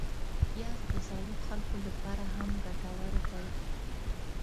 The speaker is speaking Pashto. پیاز د زړو خلکو لپاره هم ګټور دی